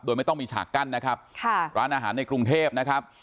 โดยไม่ต้องมีฉากกั้นนะครับค่ะร้านอาหารในกรุงเทพนะครับ